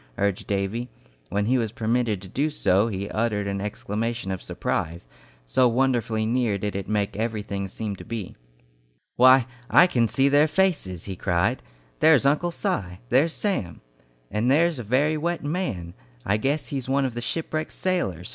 urged Davy. When he was permitted to do so he uttered an exclamation of surprise, so wonderfully near did it make everything seem to be. "Why, I can see their faces!" he cried. "There's Uncle Si! There's Sam! And there's a very wet man! I guess he's one of the shipwrecked sailors!